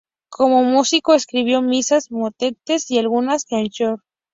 Como músico escribió misas, motetes y algunas chansons.